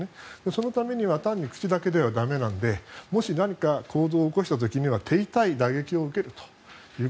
そのためには単に口だけではだめなのでもし何か行動を起こした時には手痛い打撃を受けると。